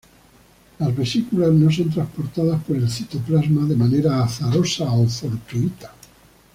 Las vesículas no son transportadas por el citoplasma de manera "azarosa" o "fortuita".